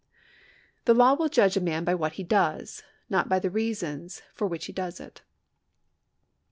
The law will judge a man by what he does, not by the reasons for which he does it.